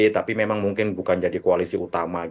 tapi memang mungkin bukan jadi koalisi utama